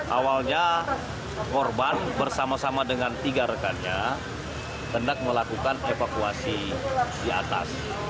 awalnya korban bersama sama dengan tiga rekannya hendak melakukan evakuasi di atas